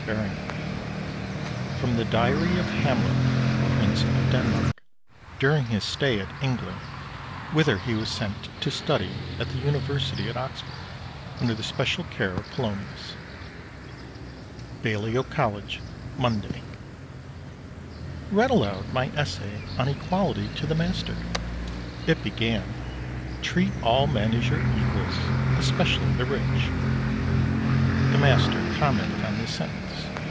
XX FROM THE DIARY OF HAMLET, PRINCE OF DENMARK, DURING HIS STAY AT ENGLAND, WHITHER HE WAS SENT TO STUDY AT THE UNIVERSITY AT OXFORD, UNDER THE SPECIAL CARE OF POLONIUS Balliol College, Monday. Read aloud my Essay on Equality to the Master. It began: "Treat all men as your equals, especially the rich." The Master commented on this sentence.